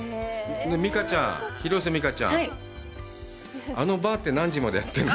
未花ちゃん、広瀬未花ちゃん、あのバーって何時までやってるの？